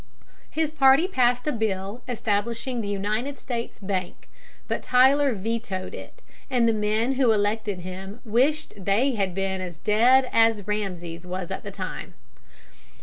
His party passed a bill establishing the United States Bank, but Tyler vetoed it, and the men who elected him wished they had been as dead as Rameses was at the time.